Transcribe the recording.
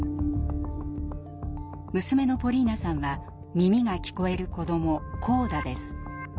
娘のポリーナさんは耳が聞こえる子ども「コーダ」です。